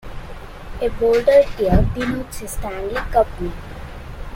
A bolded year denotes a Stanley Cup win.